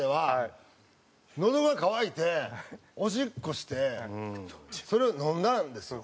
のどが渇いておしっこしてそれを飲んだんですよ。